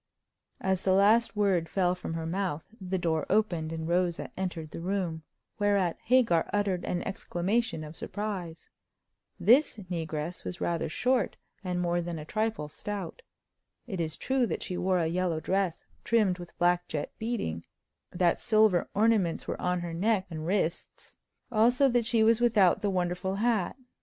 As the last word fell from her mouth the door opened, and Rosa entered the room, whereat Hagar uttered an exclamation of surprise. This regress was rather short, and more than a trifle stout. It is true that she wore a yellow dress trimmed with black jet beading; that silver ornaments were on her neck and wrists; also that she was without the wonderful hat.